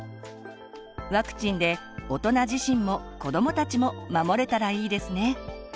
ワクチンで大人自身も子どもたちも守れたらいいですね。